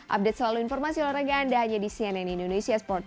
update selalu informasi olahraga anda hanya di cnn indonesia sports